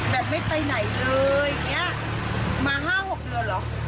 ไม่ไปไหนเลยอย่างนี้มา๕๖เดือนเหรอ